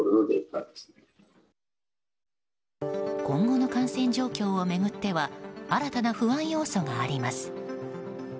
今後の感染状況を巡っては新たな不安要素があります。